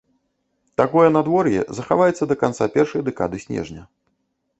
Такое надвор'е захаваецца да канца першай дэкады снежня.